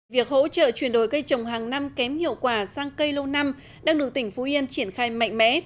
việc hỗ trợ chuyển đổi cây trồng hàng năm kém hiệu quả sang cây lâu năm đang được tỉnh phú yên triển khai mạnh mẽ